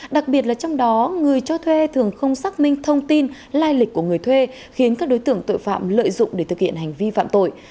đặc biệt là trong đó người cho thuê thường không xác minh thông tin lai lịch của người thuê khiến các đối tượng tội phạm lợi dụng để thực hiện hành vi phạm tội